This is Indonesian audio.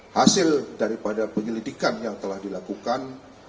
hasil daripada penyelidikan yang telah dilakukan